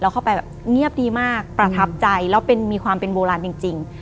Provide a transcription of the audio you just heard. เข้าไปแบบเงียบดีมากประทับใจแล้วมีความเป็นโบราณจริง